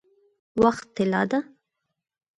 وخت طلا ده؟